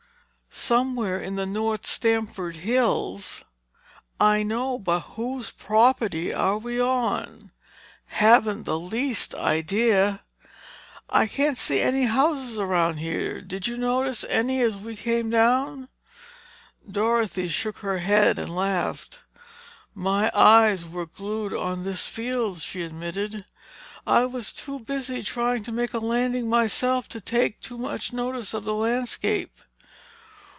"Somewhere in the North Stamford hills." "I know—but whose property are we on?" "Haven't the least idea." "I can't see any houses around here. Did you notice any as you came down?" Dorothy shook her head and laughed. "My eyes were glued on this field," she admitted. "I was too busy trying to make a landing myself to take in much of the landscape.